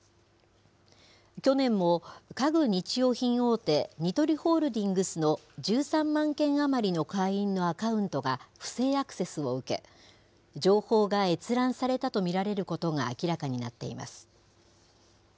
去年も家具日用品大手、ニトリホールディングスの１３万件余りの会員のアカウントが不正アクセスを受け、情報が閲覧されたと見られることが明らかになっています。